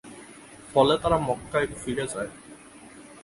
ফলে তারা মক্কায় ফিরে যায়।